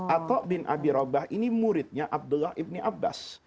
atau bin abi robah ini muridnya abdullah ibni abbas